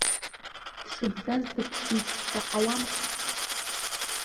Дшыбзаз дыԥсит, шәаҳауама?